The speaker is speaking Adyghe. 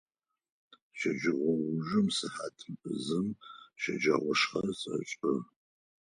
Щэджэгъоужым сыхьат зым щэджагъошхэ сэшӏы.